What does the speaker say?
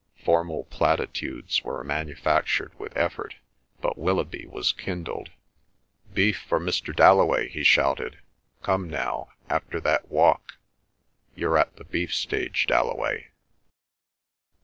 Formal platitudes were manufactured with effort, but Willoughby was kindled. "Beef for Mr. Dalloway!" he shouted. "Come now—after that walk you're at the beef stage, Dalloway!"